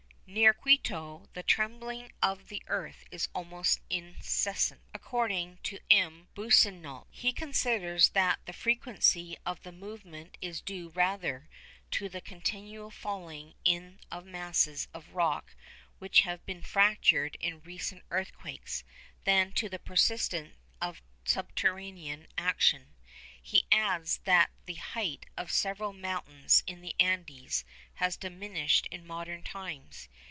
Near Quito the trembling of the earth is almost incessant, according to M. Boussingault. He considers that the frequency of the movement is due rather to the continual falling in of masses of rock which have been fractured in recent earthquakes, than to the persistence of subterranean action. He adds that the height of several mountains in the Andes has diminished in modern times.